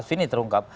kasus ini terungkap